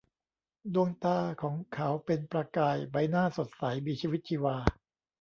ดวงตาของเขาเป็นประกาย ใบหน้าสดใสมีชีวิตชีวา